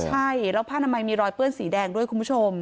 ใช่แล้วผ้านามัยมีรอยเปื้อนสีแดงด้วยคุณผู้ชม